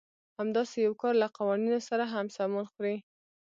همداسې يو کار له قوانينو سره هم سمون خوري.